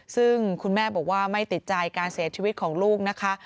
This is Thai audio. ซึ่งคุณแม่บอกว่าไม่ติดใจการเสียชีวิตของลูกนะคะ